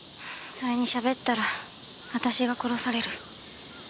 それにしゃべったら私が殺される。